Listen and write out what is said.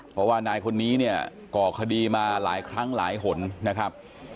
เพราะว่านายคนนี้เนี่ยก่อคดีมาหลายครั้งหลายหนนะครับ